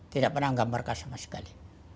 tidak pernah menggambarkan sama sekali